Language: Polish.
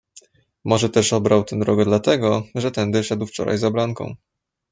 "Może też obrał tę drogę dla tego, że tędy szedł wczoraj za Blanką."